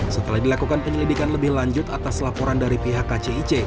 setelah dilakukan penyelidikan lebih lanjut atas laporan dari pihak kcic